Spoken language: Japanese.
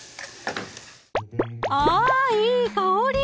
あいい香り！